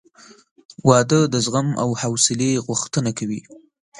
• واده د زغم او حوصلې غوښتنه کوي.